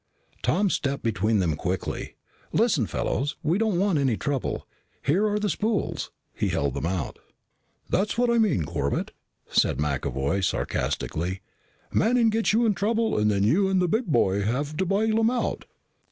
Tom stepped between them quickly. "Listen, fellows, we don't want any trouble. Here are the spools." He held them out. "That's what I mean, Corbett," said McAvoy sarcastically. "Manning gets you in trouble and then you and the big boy have to bail him out."